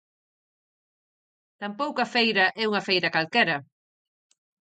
Tampouco a feira é unha feira calquera.